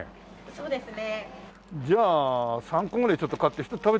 そうですね。